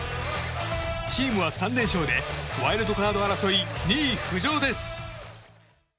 チームは３連勝でワイルドカード争い２位浮上です。